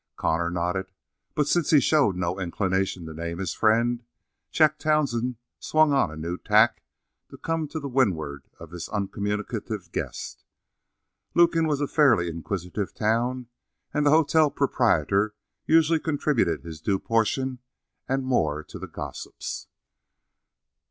Connor nodded, but since he showed no inclination to name his friend, Jack Townsend swung on a new tack to come to the windward of this uncommunicative guest. Lukin was a fairly inquisitive town, and the hotel proprietor usually contributed his due portion and more to the gossips.